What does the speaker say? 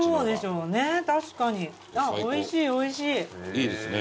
いいですね